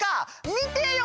見てよ！